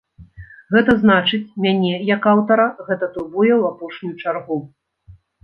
Гэта значыць, мяне, як аўтара, гэта турбуе ў апошнюю чаргу.